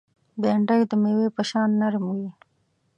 بېنډۍ د مېوې په شان نرم وي